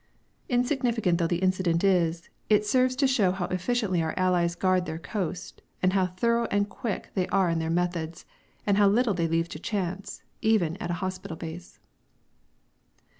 Insignificant though the incident is, it serves to show how efficiently our Allies guard their coast, how thorough and quick they are in their methods, and how little they leave to chance, even at a hospital base.